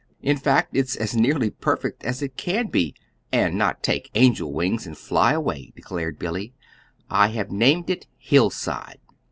"In fact, it's as nearly perfect as it can be and not take angel wings and fly away," declared Billy. "I have named it 'Hillside.'"